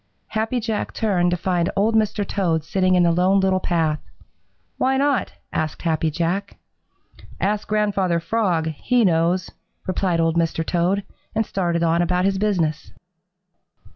Happy Jack turned to find Old Mr. Toad sitting in the Lone Little Path. "Why not?" asked Happy Jack. "Ask Grandfather Frog; he knows," replied Old Mr. Toad, and started on about his business.